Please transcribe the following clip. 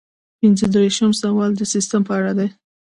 پنځه دېرشم سوال د سیسټم په اړه دی.